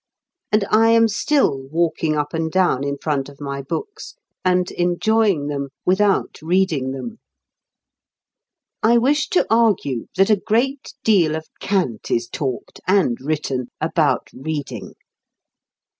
And I am still walking up and down in front of my books and enjoying them without reading them. I wish to argue that a great deal of cant is talked (and written) about reading.